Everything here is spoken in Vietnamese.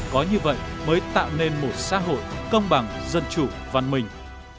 có như vậy mới tạo nên một xã hội công bằng dân chủ văn minh